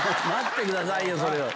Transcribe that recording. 待ってくださいよ、それ。